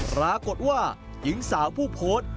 ปรากฏว่าหญิงสาวผู้โพสต์